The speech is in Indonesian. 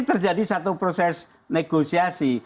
terjadi satu proses negosiasi